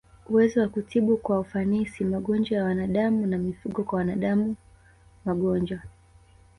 uwezo wa kutibu kwa ufanisi magonjwa ya wanadamu na mifugo Kwa wanadamu magonjwa